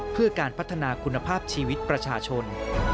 เพื่อการพัฒนาคุณภาพชีวิตประชาชน